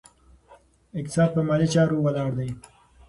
اقتصاد په مالي چارو ولاړ دی.